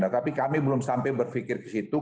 tapi kami belum sampai berpikir ke situ